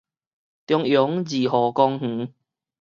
中庸二號公園